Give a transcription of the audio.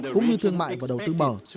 cũng như thương mại và đầu tư bở